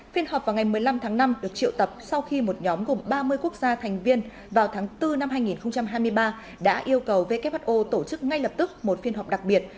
phiên họp vào ngày một mươi năm tháng năm được triệu tập sau khi một nhóm gồm ba mươi quốc gia thành viên vào tháng bốn năm hai nghìn hai mươi ba đã yêu cầu who tổ chức ngay lập tức một phiên họp đặc biệt